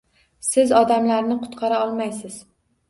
Siz odamlarni qutqara olmaysiz